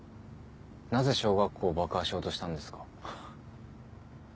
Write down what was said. なぜ小学校を爆破しようとしたんですか？